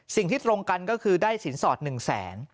สิ่งที่ตรงกันก็คือได้สินสอด๑แสน